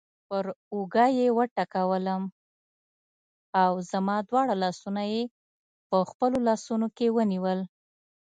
پر اوږه یې وټکولم او زما دواړه لاسونه یې په خپلو لاسونو کې ونیول.